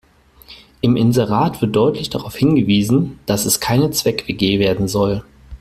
Im Inserat wird deutlich darauf hingewiesen, dass es keine Zweck-WG werden soll.